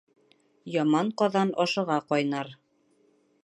Яман ҡаҙан ашыға ҡайнар.